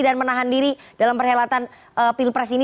dan menahan diri dalam perhelatan pilpres ini